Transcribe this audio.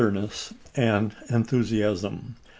terness and enthusiasm.